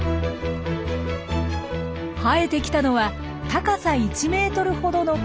生えてきたのは高さ１ｍほどの草。